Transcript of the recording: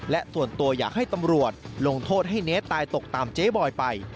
และส่วนตัวอยากให้ตำรวจลงโทษให้เนสตายตกตามเจ๊บอยไป